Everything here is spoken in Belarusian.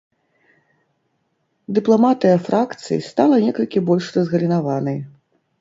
Дыпламатыя фракцый стала некалькі больш разгалінаванай.